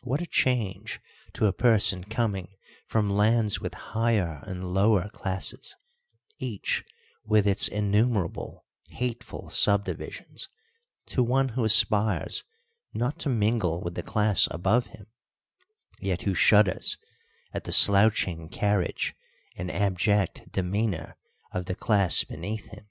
What a change to a person coming from lands with higher and lower classes, each with its innumerable hateful subdivisions to one who aspires not to mingle with the class above him, yet who shudders at the slouching carriage and abject demeanour of the class beneath him!